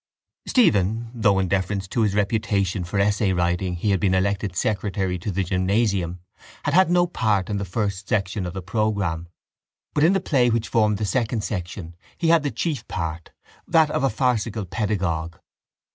Stephen, though in deference to his reputation for essay writing he had been elected secretary to the gymnasium, had had no part in the first section of the programme but in the play which formed the second section he had the chief part, that of a farcical pedagogue.